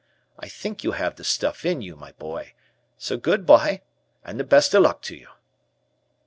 I think you have the stuff in you, my boy, so good bye, and the best of luck to you."